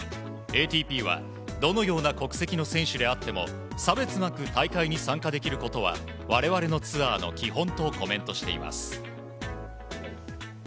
ＡＴＰはどのような国籍の選手であっても差別なく大会に参加できることは我々のツアーの基本とコメントしています。